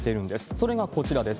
それがこちらです。